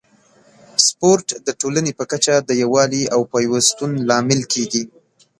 سپورت د ټولنې په کچه د یووالي او پیوستون لامل کیږي.